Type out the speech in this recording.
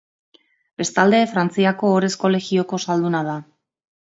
Bestalde, Frantziako Ohorezko Legioko Zalduna da.